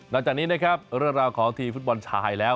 นอกจากนี้เนี่ยครับร่วงลาของทีมฟุตบอลใช้แล้ว